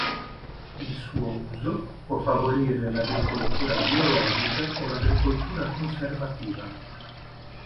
Il suo uso può favorire l'agricoltura biologica o l'agricoltura conservativa.